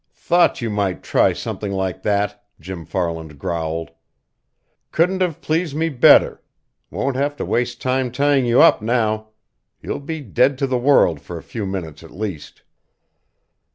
"Thought you might try something like that!" Jim Farland growled. "Couldn't have pleased me better won't have to waste time tying you up now. You'll be dead to the world for a few minutes at least!"